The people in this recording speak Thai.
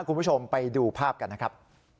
คุณผู้ชมไปดูภาพกันนะครับ